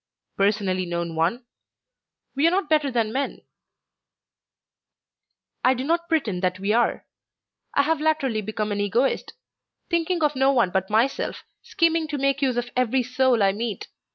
"Personally known one? We are not better than men." "I do not pretend that we are. I have latterly become an Egoist, thinking of no one but myself, scheming to make use of every soul I meet.